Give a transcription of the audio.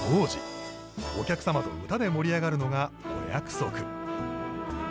お客様と歌で盛り上がるのがお約束。